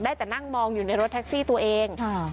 แต่นั่งมองอยู่ในรถแท็กซี่ตัวเอง